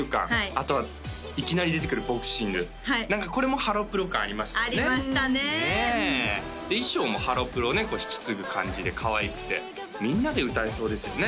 あとはいきなり出てくるボクシング何かこれもハロプロ感ありましたよねありましたねで衣装もハロプロをね引き継ぐ感じでかわいくてみんなで歌えそうですよね